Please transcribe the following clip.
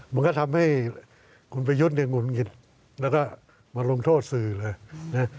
มันก็ทำให้คุณประยุทธ์เนี่ยหงุดหงิดแล้วก็มาลงโทษสื่อเลยนะ